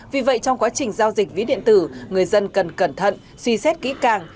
vì vậy trong quá trình giao dịch ví điện tử người dân cần cẩn thận suy xét kỹ càng